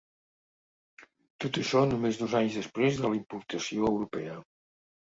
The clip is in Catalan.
Tot això només dos anys després de la importació europea.